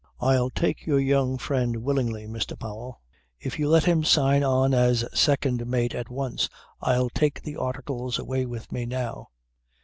"I'll take your young friend willingly, Mr. Powell. If you let him sign on as second mate at once I'll take the Articles away with me now."